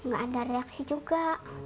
gak ada reaksi juga